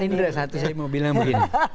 dan ini ada satu yang saya mau bilang